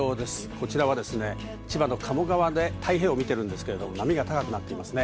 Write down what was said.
こちらはですね、千葉の鴨川で太平洋を見てるんですけれども、波が高くなっていますね。